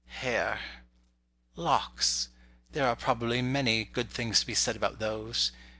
Hair—locks! There are probably many Good things to be said about those.